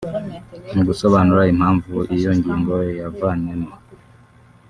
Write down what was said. Mu gusobanura impamvu iyo ngingo yavanwemo